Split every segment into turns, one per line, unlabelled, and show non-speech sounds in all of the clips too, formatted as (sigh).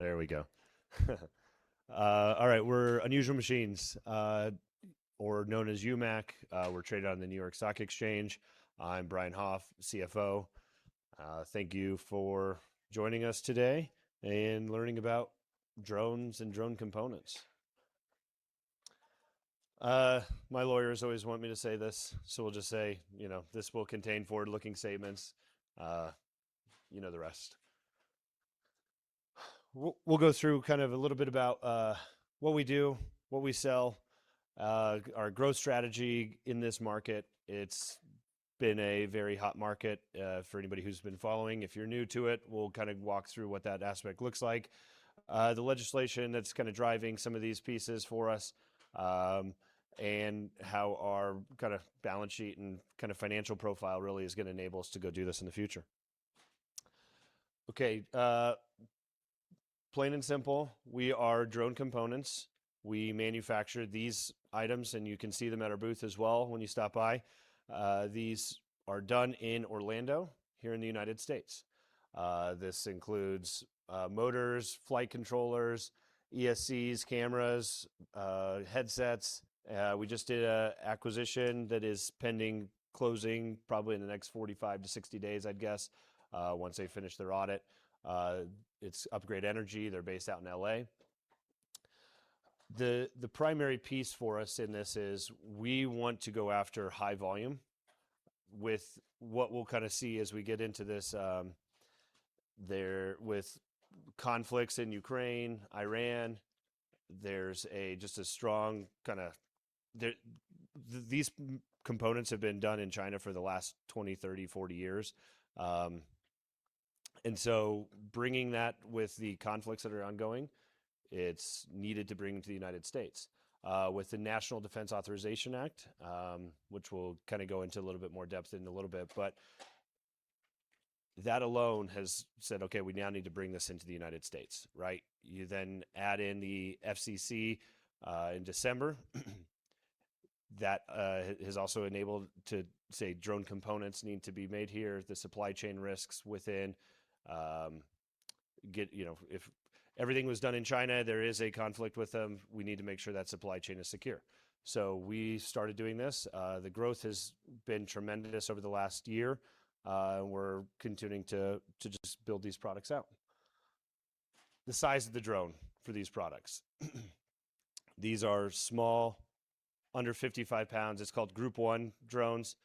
There we go. All right. We're Unusual Machines, or known as UMAC. We're traded on the New York Stock Exchange. I'm Brian Hoff, CFO. Thank you for joining us today and learning about drones and drone components. My lawyers always want me to say this. We'll just say, this will contain forward-looking statements. You know the rest. We'll go through a little bit about what we do, what we sell, our growth strategy in this market. It's been a very hot market for anybody who's been following. If you're new to it, we'll walk through what that aspect looks like. The legislation that's driving some of these pieces for us, how our balance sheet and financial profile really is going to enable us to go do this in the future. Okay. Plain and simple, we are drone components. We manufacture these items. You can see them at our booth as well when you stop by. These are done in Orlando, here in the U.S. This includes motors, flight controllers, ESCs, cameras, headsets. We just did an acquisition that is pending closing probably in the next 45-60 days, I'd guess, once they finish their audit. It's Upgrade Energy, they're based out in L.A. The primary piece for us in this is we want to go after high volume with what we'll see as we get into this. With conflicts in Ukraine, Iran, these components have been done in China for the last 20, 30, 40 years. Bringing that with the conflicts that are ongoing, it's needed to bring them to the U.S. With the National Defense Authorization Act, which we'll go into a little bit more depth in a little bit, that alone has said, "Okay, we now need to bring this into the U.S." You add in the FCC in December. That has also enabled to say drone components need to be made here. The supply chain risks within. If everything was done in China, there is a conflict with them. We need to make sure that supply chain is secure. We started doing this. The growth has been tremendous over the last year. We're continuing to just build these products out. The size of the drone for these products. These are small, under 55 lbs. It's called Group 1 drones.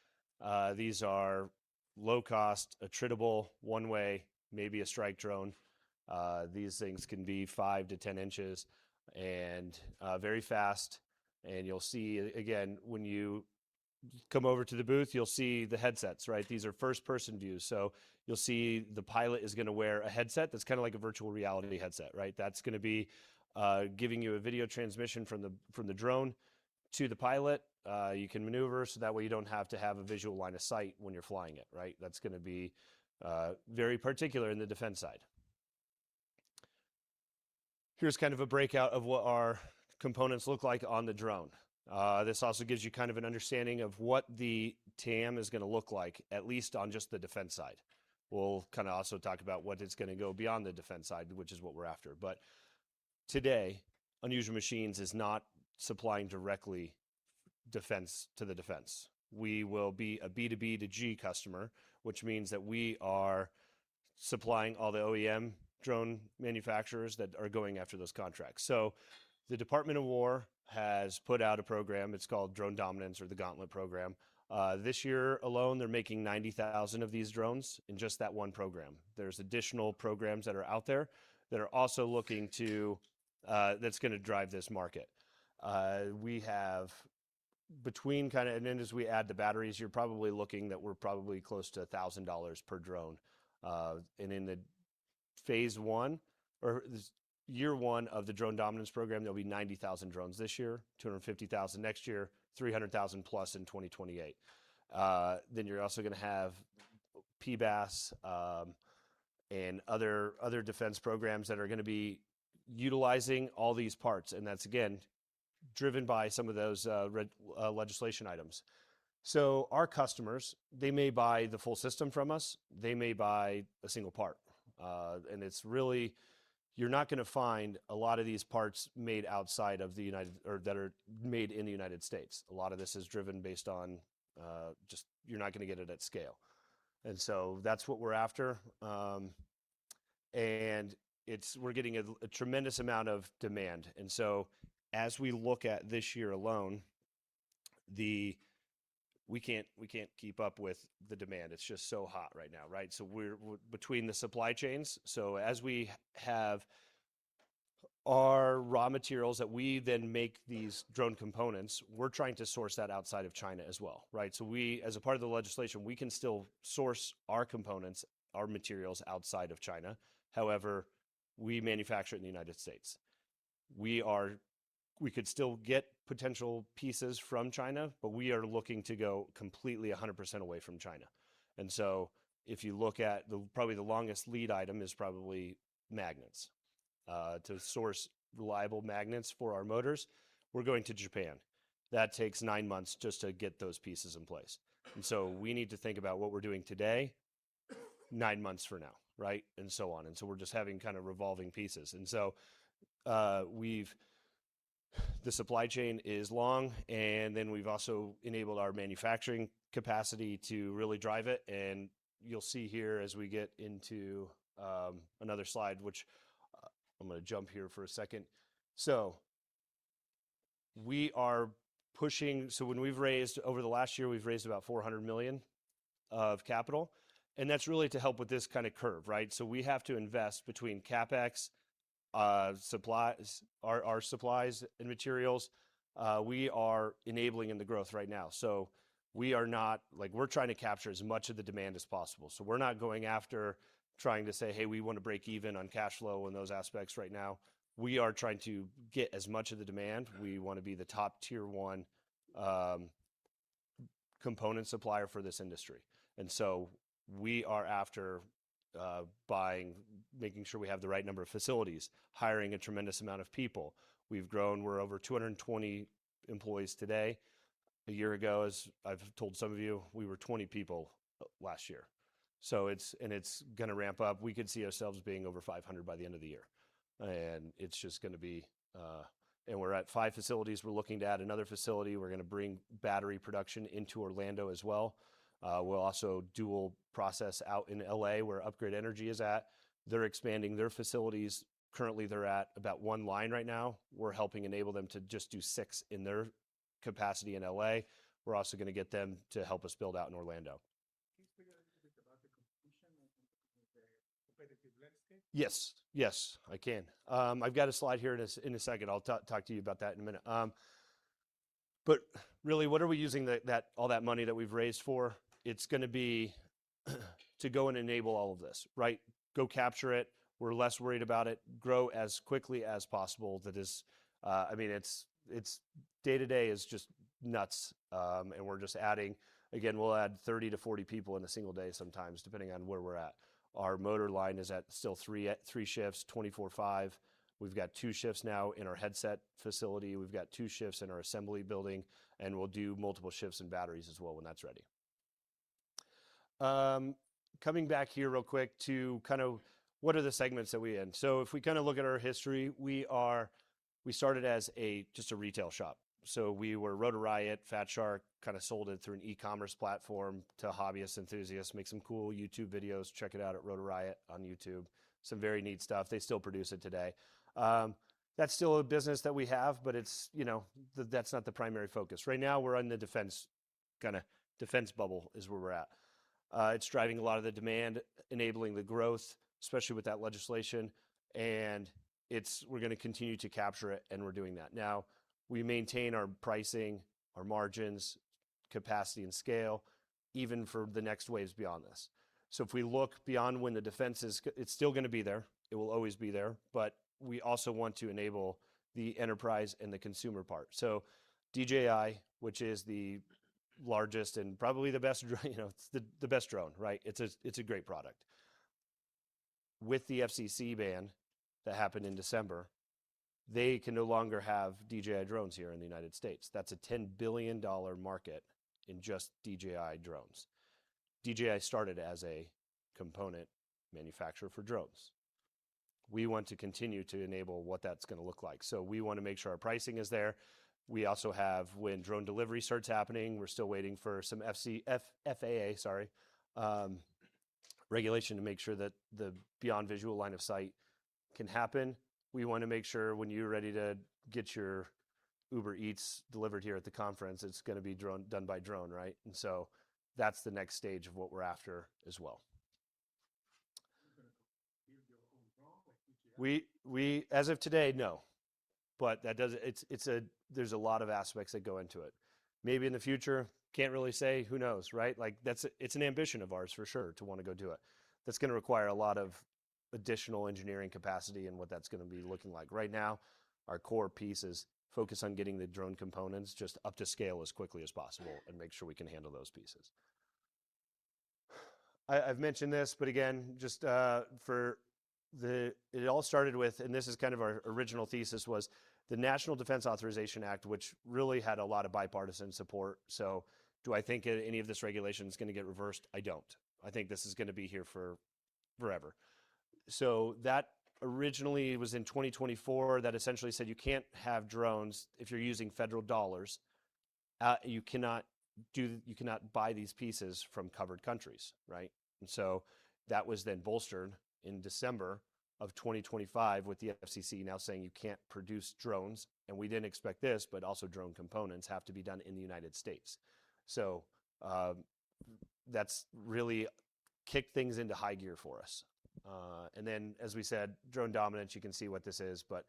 These are low-cost, attritable, one-way, maybe a strike drone. These things can be five to 10 inches and very fast. You'll see, again, when you come over to the booth, you'll see the headsets. These are first-person views. You'll see the pilot is going to wear a headset that's kind of like a virtual reality headset. That's going to be giving you a video transmission from the drone to the pilot. You can maneuver so that way you don't have to have a visual line of sight when you're flying it. That's going to be very particular in the defense side. Here's a breakout of what our components look like on the drone. This also gives you an understanding of what the TAM is going to look like, at least on just the defense side. We'll also talk about what it's going to go beyond the defense side, which is what we're after. Today, Unusual Machines is not supplying directly to the defense. We will be a B2B2G customer, which means that we are supplying all the OEM drone manufacturers that are going after those contracts. The Department of War has put out a program. It's called Drone Dominance or the Gauntlet program. This year alone, they're making 90,000 of these drones in just that one program. As we add the batteries, you're probably looking that we're probably close to $1,000 per drone. In the phase one or year one of the Drone Dominance program, there'll be 90,000 drones this year, 250,000 next year, 300,000 plus in 2028. You're also going to have PBAS and other defense programs that are going to be utilizing all these parts, and that's again, driven by some of those legislation items. Our customers, they may buy the full system from us. They may buy a single part. You're not going to find a lot of these parts that are made in the United States. A lot of this is driven based on just you're not going to get it at scale. That's what we're after. We're getting a tremendous amount of demand. As we look at this year alone, we can't keep up with the demand. It's just so hot right now. Between the supply chains, as we have our raw materials that we then make these drone components, we're trying to source that outside of China as well. As a part of the legislation, we can still source our components, our materials outside of China. However, we manufacture it in the United States. We could still get potential pieces from China, but we are looking to go completely 100% away from China. If you look at probably the longest lead item is probably magnets. To source reliable magnets for our motors, we're going to Japan. That takes nine months just to get those pieces in place. We need to think about what we're doing today, nine months from now, right? On. We're just having kind of revolving pieces. The supply chain is long, and then we've also enabled our manufacturing capacity to really drive it, and you'll see here as we get into another slide, which I'm going to jump here for a second. Over last year, we've raised about $400 million of capital, and that's really to help with this kind of curve. We have to invest between CapEx, our supplies and materials. We are enabling the growth right now. We're trying to capture as much of the demand as possible. We're not going after trying to say, "Hey, we want to break even on cash flow" and those aspects right now. We are trying to get as much of the demand. We want to be the top Tier1 component supplier for this industry. We are after making sure we have the right number of facilities, hiring a tremendous amount of people. We've grown. We're over 220 employees today. A year ago, as I've told some of you, we were 20 people last year. It's going to ramp up. We could see ourselves being over 500 by the end of the year. We're at five facilities. We're looking to add another facility. We're going to bring battery production into Orlando as well. We'll also dual process out in L.A., where Upgrade Energy is at. They're expanding their facilities. Currently, they're at about one line right now. We're helping enable them to just do six in their capacity in L.A. We're also going to get them to help us build out in Orlando.
Can you speak a little bit about the competition and the competitive landscape?
Yes. I can. I've got a slide here. In a second, I'll talk to you about that in a minute. Really, what are we using all that money that we've raised for? It's going to be to go and enable all of this. Go capture it. We're less worried about it. Grow as quickly as possible. Day to day is just nuts, and we're just adding. Again, we'll add 30 to 40 people in a single day sometimes, depending on where we're at. Our motor line is at still three shifts, 24/5. We've got two shifts now in our headset facility. We've got two shifts in our assembly building, and we'll do multiple shifts in batteries as well when that's ready. Coming back here real quick to what are the segments that we in. If we look at our history, we started as just a retail shop. We were Rotor Riot, Fat Shark, kind of sold it through an e-commerce platform to hobbyists, enthusiasts. Make some cool YouTube videos. Check it out at Rotor Riot on YouTube. Some very neat stuff. They still produce it today. That's still a business that we have, but that's not the primary focus. Right now, we're in the defense bubble is where we're at. It's driving a lot of the demand, enabling the growth, especially with that legislation, and we're going to continue to capture it, and we're doing that. Now, we maintain our pricing, our margins, capacity, and scale even for the next waves beyond this. If we look beyond when the defense is, it's still going to be there. It will always be there, but we also want to enable the enterprise and the consumer part. DJI, which is the largest and probably the best drone, right? It's a great product. With the FCC ban that happened in December, they can no longer have DJI drones here in the U.S. That's a $10 billion market in just DJI drones. DJI started as a component manufacturer for drones. We want to continue to enable what that's going to look like. We want to make sure our pricing is there. We also have, when drone delivery starts happening, we're still waiting for some FAA regulation to make sure that the beyond visual line of sight can happen. We want to make sure when you're ready to get your Uber Eats delivered here at the conference, it's going to be done by drone, right? That's the next stage of what we're after as well.
You're going to build your own drone like DJI?
As of today, no. There's a lot of aspects that go into it. Maybe in the future. Can't really say. Who knows? It's an ambition of ours for sure to want to go do it. That's going to require a lot of additional engineering capacity and what that's going to be looking like. Right now, our core piece is focus on getting the drone components just up to scale as quickly as possible and make sure we can handle those pieces. I've mentioned this, but again, it all started with, and this is kind of our original thesis was the National Defense Authorization Act, which really had a lot of bipartisan support. Do I think any of this regulation is going to get reversed? I don't. I think this is going to be here forever. That originally was in 2024 that essentially said you can't have drones if you're using federal dollars. You cannot buy these pieces from covered countries. That was then bolstered in December of 2025 with the FCC now saying you can't produce drones, and we didn't expect this, but also drone components have to be done in the U.S. That's really kicked things into high gear for us. As we said, Drone Dominance, you can see what this is, but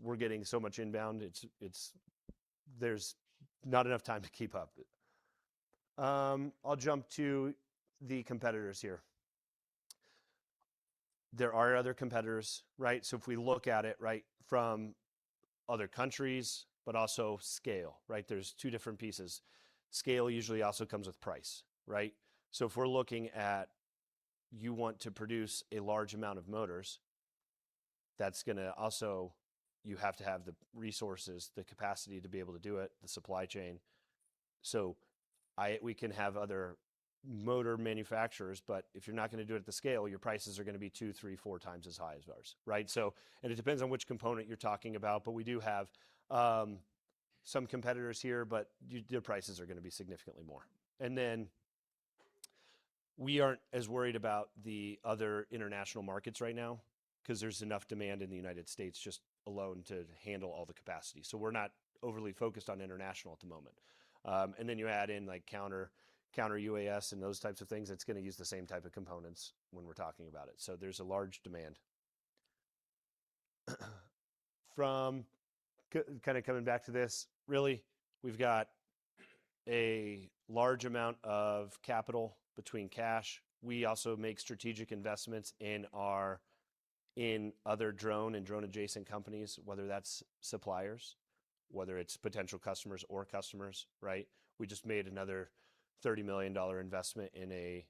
we're getting so much inbound, there's not enough time to keep up. I'll jump to the competitors here. There are other competitors. If we look at it from other countries but also scale. There's two different pieces. Scale usually also comes with price. If we're looking at you want to produce a large amount of motors That's going to also, you have to have the resources, the capacity to be able to do it, the supply chain. We can have other motor manufacturers, but if you're not going to do it at the scale, your prices are going to be two, three, four times as high as ours. Right? It depends on which component you're talking about, but we do have some competitors here, but their prices are going to be significantly more. We aren't as worried about the other international markets right now because there's enough demand in the United States just alone to handle all the capacity. We're not overly focused on international at the moment. You add in counter-UAS, and those types of things, it's going to use the same type of components when we're talking about it. There's a large demand. From coming back to this, really, we've got a large amount of capital between cash. We also make strategic investments in other drone and drone-adjacent companies, whether that's suppliers, whether it's potential customers or customers, right? We just made another $30 million investment in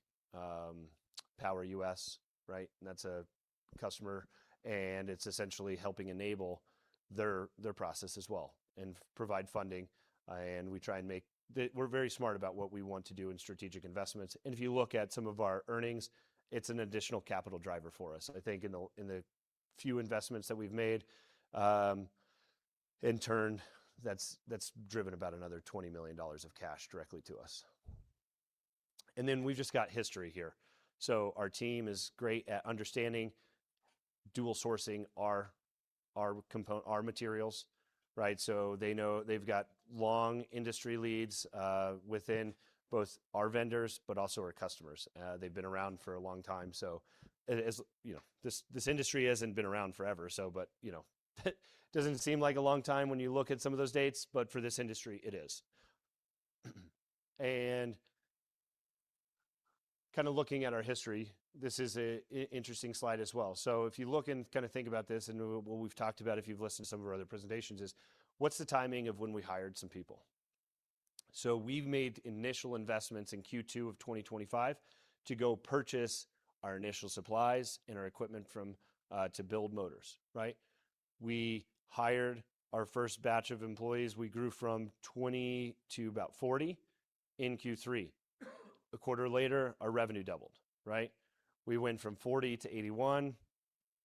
PowerUs, right? That's a customer, and it's essentially helping enable their process as well and provide funding. We're very smart about what we want to do in strategic investments. If you look at some of our earnings, it's an additional capital driver for us. I think in the few investments that we've made, in turn, that's driven about another $20 million of cash directly to us. We've just got history here. Our team is great at understanding dual sourcing our materials, right? They know they've got long industry leads within both our vendors, but also our customers. They've been around for a long time, so as you know, this industry hasn't been around forever, but it doesn't seem like a long time when you look at some of those dates, but for this industry, it is. Looking at our history, this is an interesting slide as well. If you look and think about this and what we've talked about, if you've listened to some of our other presentations, is what's the timing of when we hired some people? We've made initial investments in Q2 of 2025 to go purchase our initial supplies and our equipment to build motors, right? We hired our first batch of employees. We grew from 20 to about 40 in Q3. A quarter later, our revenue doubled. Right? We went from 40 to 81.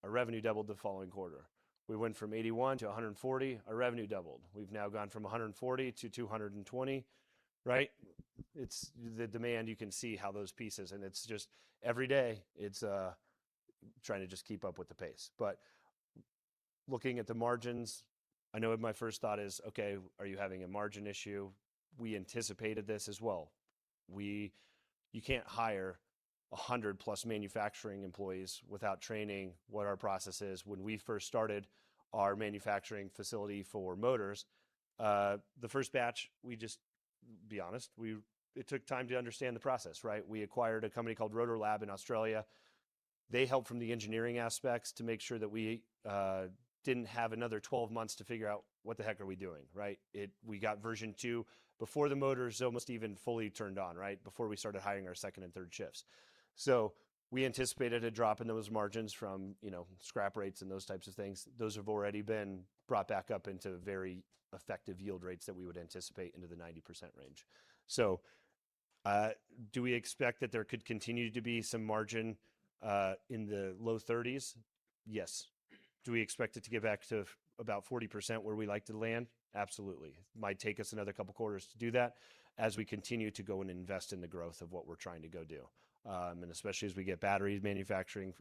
Our revenue doubled the following quarter. We went from 81 to 140. Our revenue doubled. We've now gone from 140 to 220. Right? It's the demand. You can see how those pieces, and it's just every day, it's trying to just keep up with the pace. Looking at the margins, I know my first thought is, "Okay, are you having a margin issue?" We anticipated this as well. You can't hire 100+ manufacturing employees without training what our process is. When we first started our manufacturing facility for motors, the first batch, be honest, it took time to understand the process, right? We acquired a company called Rotor Lab in Australia. They helped from the engineering aspects to make sure that we didn't have another 12 months to figure out what the heck are we doing, right? We got version two before the motors almost even fully turned on, right, before we started hiring our second and third shifts. We anticipated a drop in those margins from scrap rates and those types of things. Those have already been brought back up into very effective yield rates that we would anticipate into the 90% range. Do we expect that there could continue to be some margin in the low 30s? Yes. Do we expect it to get back to about 40%, where we like to land? Absolutely. It might take us another couple of quarters to do that as we continue to go and invest in the growth of what we're trying to go do. Especially as we get batteries manufacturing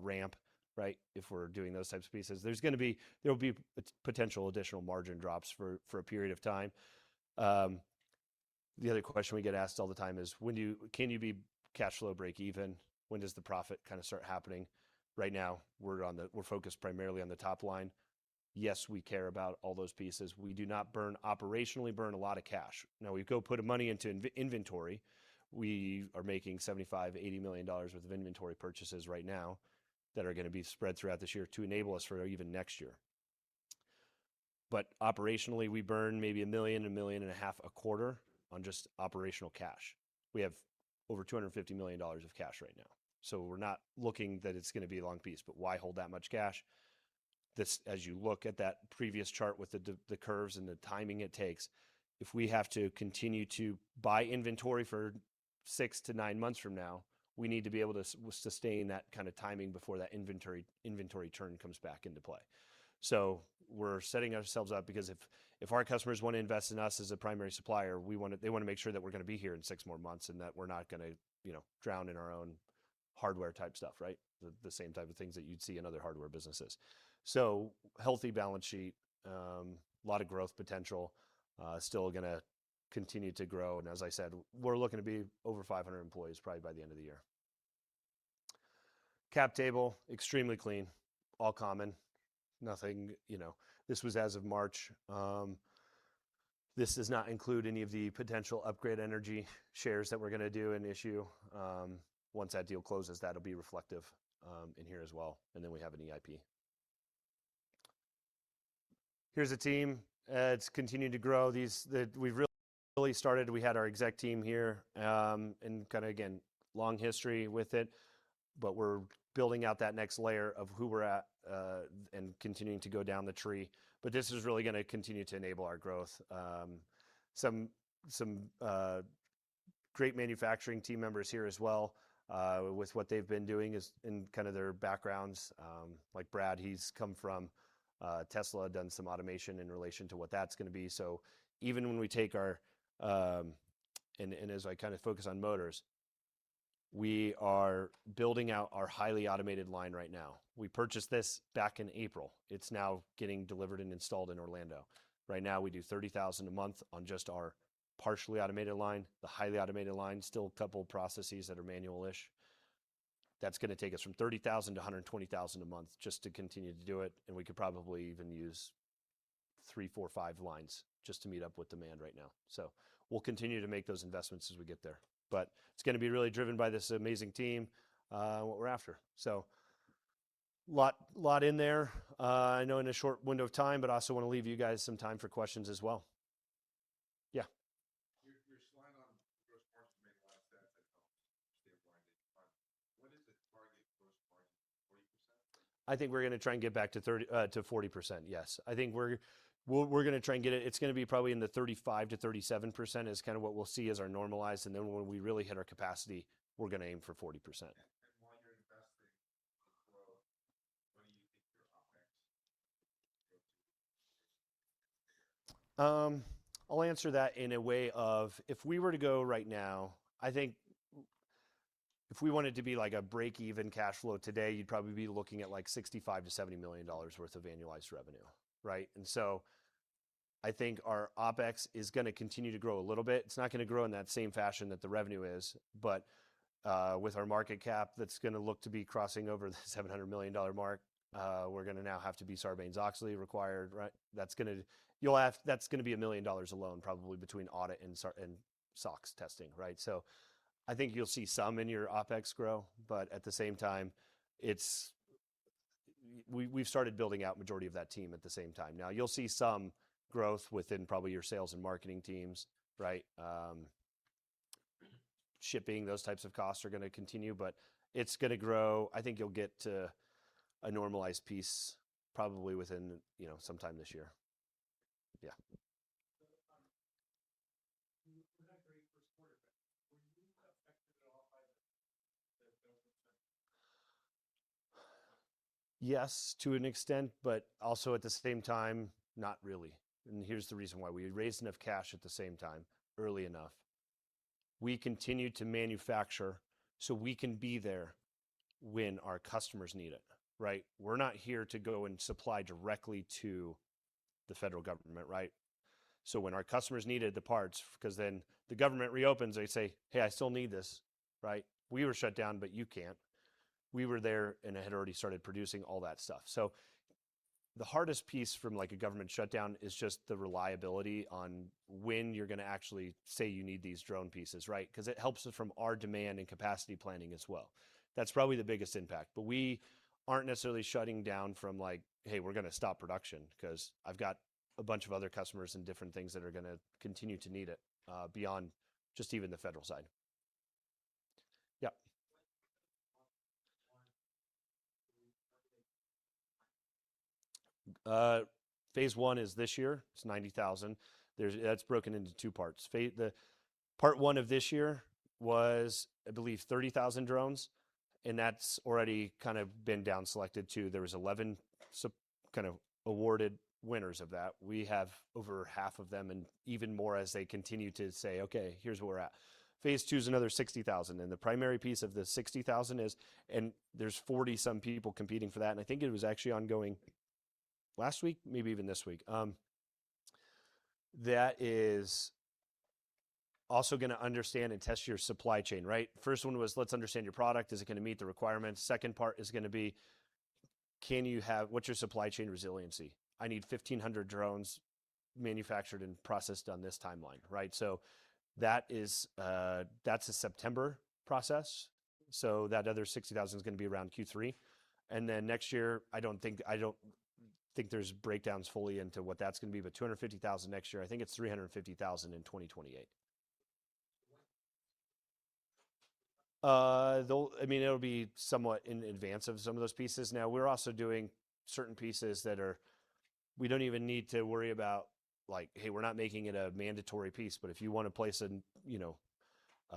ramp, right, if we're doing those types of pieces. There will be potential additional margin drops for a period of time. The other question we get asked all the time is: Can you be cash flow break even? When does the profit start happening? Right now, we're focused primarily on the top line. Yes, we care about all those pieces. We do not operationally burn a lot of cash. Now, we go put money into inventory. We are making $75 million-$80 million worth of inventory purchases right now that are going to be spread throughout this year to enable us for even next year. Operationally, we burn maybe $1 million, $1.5 million a quarter on just operational cash. We have over $250 million of cash right now. We're not looking that it's going to be a long piece, but why hold that much cash? As you look at that previous chart with the curves and the timing it takes, if we have to continue to buy inventory for six to nine months from now, we need to be able to sustain that kind of timing before that inventory turn comes back into play. We're setting ourselves up because if our customers want to invest in us as a primary supplier, they want to make sure that we're going to be here in six more months and that we're not going to drown in our own hardware type stuff, right? The same type of things that you'd see in other hardware businesses. Healthy balance sheet, a lot of growth potential, still going to continue to grow. As I said, we're looking to be over 500 employees probably by the end of the year. Cap table, extremely clean. All common. Nothing-- This was as of March. This does not include any of the potential Upgrade Energy shares that we're going to do and issue. Once that deal closes, that'll be reflective in here as well. Then we have an EIP. Here's the team. It's continued to grow. When we started, we had our exec team here, and again, long history with it, but we're building out that next layer of who we're at and continuing to go down the tree. This is really going to continue to enable our growth. Some great manufacturing team members here as well with what they've been doing and their backgrounds. Like Brad, he's come from Tesla, done some automation in relation to what that's going to be. As I focus on motors, we are building out our highly automated line right now. We purchased this back in April. It's now getting delivered and installed in Orlando. Right now, we do 30,000 a month on just our partially automated line. The highly automated line, still a couple of processes that are manual-ish. That's going to take us from 30,000 to 120,000 a month just to continue to do it, and we could probably even use three, four, five lines just to meet up with demand right now. We'll continue to make those investments as we get there. It's going to be really driven by this amazing team, what we're after. A lot in there, I know in a short window of time, but I also want to leave you guys some time for questions as well. Yeah.
Your slide on gross margin made a lot of sense. I don't see a blind spot. What is the target gross margin? 40%?
We're going to try and get back to 40%, yes. It's going to be probably in the 35%-37% is what we'll see as our normalized, then when we really hit our capacity, we're going to aim for 40%.
While you're investing for growth, what do you think your OpEx will be?
I'll answer that in a way of, if we were to go right now, I think if we wanted to be like a break-even cash flow today, you'd probably be looking at $65 million-$70 million worth of annualized revenue. Right? I think our OpEx is going to continue to grow a little bit. It's not going to grow in that same fashion that the revenue is. With our market cap, that's going to look to be crossing over the $700 million mark. We're going to now have to be Sarbanes-Oxley required, right? That's going to be $1 million alone, probably between audit and SOX testing, right? I think you'll see some in your OpEx grow. At the same time, we've started building out majority of that team at the same time. Now, you'll see some growth within probably your sales and marketing teams, right? Shipping, those types of costs are going to continue, but it's going to grow. I think you'll get to a normalized piece probably within sometime this year. Yeah.
For that very first quarter, were you affected at all by the government shutdown?
Yes, to an extent, but also at the same time, not really. Here's the reason why. We had raised enough cash at the same time, early enough. We continued to manufacture so we can be there when our customers need it. Right? We're not here to go and supply directly to the federal government, right? When our customers needed the parts, because then the government reopens, they say, "Hey, I still need this." Right? "We were shut down, but you can't." We were there and had already started producing all that stuff. The hardest piece from a government shutdown is just the reliability on when you're going to actually say you need these drone pieces, right? Because it helps us from our demand and capacity planning as well. That's probably the biggest impact. We aren't necessarily shutting down from like, "Hey, we're going to stop production," because I've got a bunch of other customers and different things that are going to continue to need it, beyond just even the federal side. Yep.
What's the timeline for Phase I?
Phase I is this year. It's 90,000. That's broken into two parts. Part one of this year was, I believe, 30,000 drones, and that's already been down selected to, there was 11 awarded winners of that. We have over half of them and even more as they continue to say, "Okay, here's where we're at." Phase II's another 60,000, and the primary piece of the 60,000 is, and there's 40 some people competing for that, and I think it was actually ongoing last week, maybe even this week. That is also going to understand and test your supply chain, right? First one was, let's understand your product. Is it going to meet the requirements? Second part is going to be, what's your supply chain resiliency? I need 1,500 drones manufactured and processed on this timeline. Right? That's a September process. That other 60,000 is going to be around Q3. Next year, I don't think there's breakdowns fully into what that's going to be, but 250,000 next year. I think it's 350,000 in 2028. It'll be somewhat in advance of some of those pieces. We're also doing certain pieces that we don't even need to worry about, like, hey, we're not making it a mandatory piece, but if you want to place a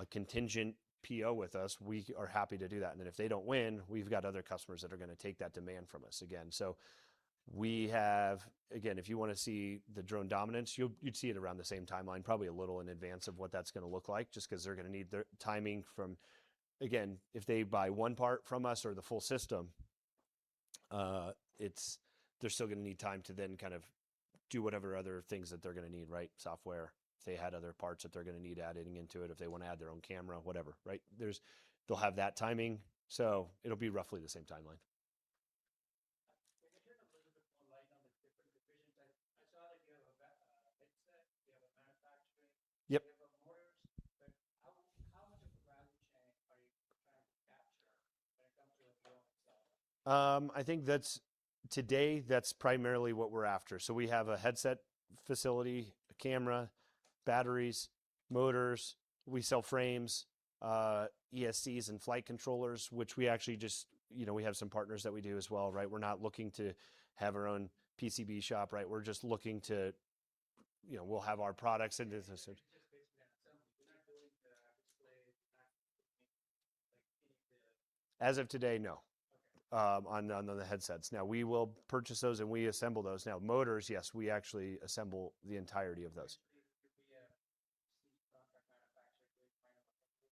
contingent PO with us, we are happy to do that. If they don't win, we've got other customers that are going to take that demand from us again. We have, again, if you want to see the Drone Dominance, you'd see it around the same timeline, probably a little in advance of what that's going to look like, just because they're going to need their timing from. Again, if they buy one part from us or the full system, they're still going to need time to then do whatever other things that they're going to need, right? Software. If they had other parts that they're going to need adding into it, if they want to add their own camera, whatever. Right? They'll have that timing, so it'll be roughly the same timeline.
Can you shed a little bit more light on the different divisions? I saw that you have a headset, you have a manufacturing.
Yep I think today that's primarily what we're after. We have a headset facility, a camera, batteries, motors. We sell frames, ESCs, and flight controllers, which we have some partners that we do as well, right? We're not looking to have our own PCB shop. We'll have our products and (inaudible)
You're just basically assembling. You're not doing the display.
As of today, no.
Okay.
On the headsets. We will purchase those, and we assemble those. Motors, yes, we actually assemble the entirety of those.
Could there be a contract manufacturer that you plan on working with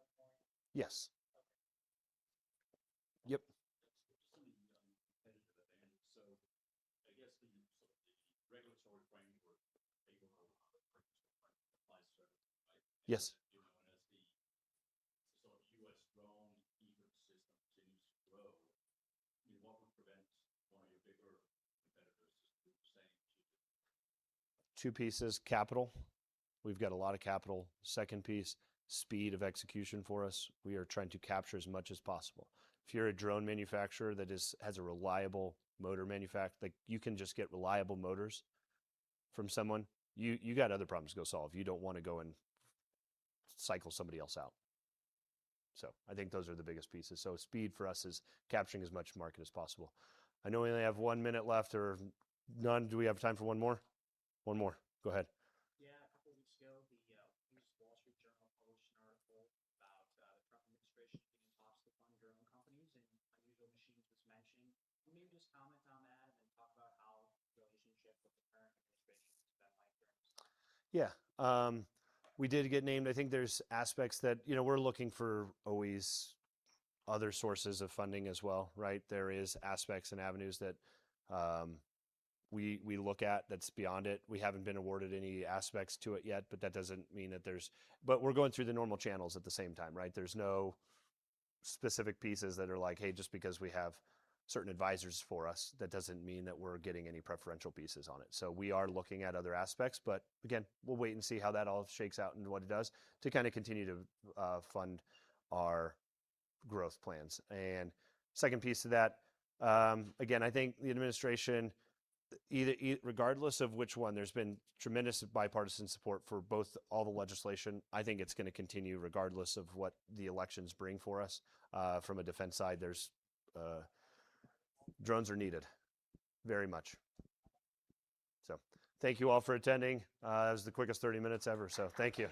at some point?
Yes.
Okay.
Yep.
Just something competitive advantage. I guess the regulatory framework favorable supply service, right?
Yes.
As the U.S. drone ecosystem continues to grow, what would prevent one of your bigger competitors just do the same to you?
Two pieces, capital. We've got a lot of capital. Second piece, speed of execution for us. We are trying to capture as much as possible. If you're a drone manufacturer that has a reliable motor manufacturer, like you can just get reliable motors from someone, you got other problems to go solve. You don't want to go and cycle somebody else out. I think those are the biggest pieces. Speed for us is capturing as much market as possible. I know we only have one minute left or none. Do we have time for one more? One more. Go ahead.
Yeah. A couple of weeks ago, The Wall Street Journal published an article about the Trump administration being asked to fund drone companies, Unusual Machines was mentioned. Can you just comment on that and then talk about how the relationship with the current administration has been like for Unusual?
Yeah. We did get named. I think there's aspects that we're looking for always other sources of funding as well, right? There is aspects and avenues that we look at that's beyond it. We haven't been awarded any aspects to it yet, but we're going through the normal channels at the same time, right? There's no specific pieces that are like, hey, just because we have certain advisors for us, that doesn't mean that we're getting any preferential pieces on it. We are looking at other aspects, but again, we'll wait and see how that all shakes out and what it does to kind of continue to fund our growth plans. Second piece to that, again, I think the administration, regardless of which one, there's been tremendous bipartisan support for both all the legislation. I think it's going to continue regardless of what the elections bring for us. From a defense side, drones are needed very much. Thank you all for attending. That was the quickest 30 minutes ever, so thank you.